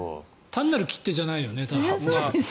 単なる切手じゃないよね。